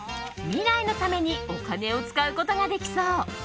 未来のためにお金を使うことができそう。